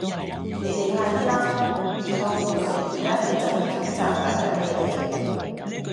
你哋快啲啦!二舅父佢哋而家喺鰂魚涌站等緊你哋